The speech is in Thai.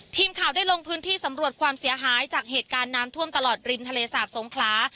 ทีมข่าวได้ลงพื้นที่สำรวจความเสียหายจากเหตุการณ์น้ำท่วมตลอดริมทะเลสาบสงขลา